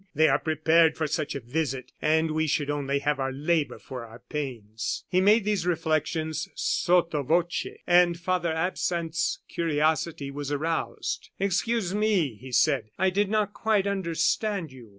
They are prepared for such a visit, and we should only have our labor for our pains." He made these reflections sotto voce; and Father Absinthe's curiosity was aroused. "Excuse me," said he, "I did not quite understand you."